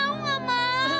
aku gak mau